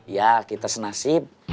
ya kita senasib